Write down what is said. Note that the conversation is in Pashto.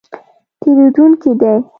تېرېدونکی دی